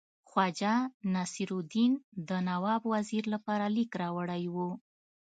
خواجه نصیرالدین د نواب وزیر لپاره لیک راوړی وو.